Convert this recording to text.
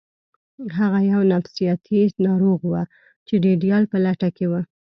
هغه یو نفسیاتي ناروغ و چې د ایډیال په لټه کې و